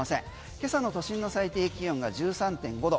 今朝の都心の最低気温が１３．５度。